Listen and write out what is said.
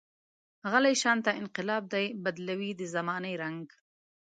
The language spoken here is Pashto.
غلی شانته انقلاب دی، بدلوي د زمانې رنګ.